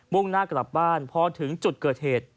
่งหน้ากลับบ้านพอถึงจุดเกิดเหตุ